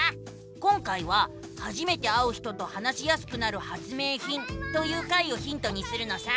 今回は「初めて会う人と話しやすくなる発明品」という回をヒントにするのさ！